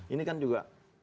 ini kan juga